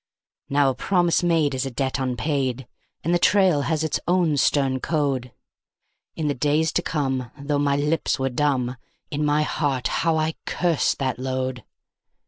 Now a promise made is a debt unpaid, and the trail has its own stern code. In the days to come, though my lips were dumb, in my heart how I cursed that load.